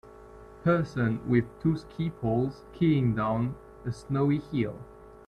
Person with two ski poles skiing down a snowy hill